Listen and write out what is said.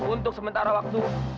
untuk sementara waktu